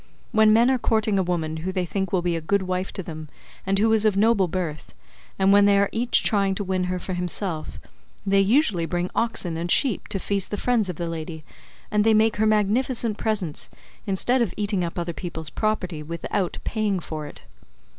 When men are courting a woman who they think will be a good wife to them and who is of noble birth, and when they are each trying to win her for himself, they usually bring oxen and sheep to feast the friends of the lady, and they make her magnificent presents, instead of eating up other people's property without paying for it."